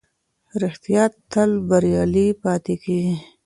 رښتيا تل بريالی پاتې کېږي.